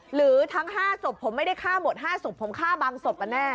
หรือทั้ง๕ศพผมไม่ได้ฆ่าหมด๕ศพผมฆ่าบางศพกันแน่